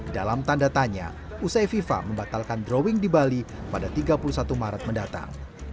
dalam tanda tanya usai fifa membatalkan drawing di bali pada tiga puluh satu maret mendatang